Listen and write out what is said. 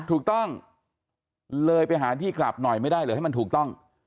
ถูกต้องเลยไปหาที่กลับหน่อยไม่ได้เหรอให้มันถูกต้อง